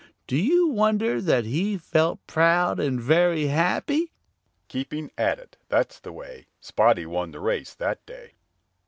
Do you wonder that he felt proud and very happy? Keeping at it, that's the way Spotty won the race that day.